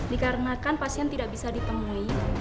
dikarenakan pasien tidak bisa ditemui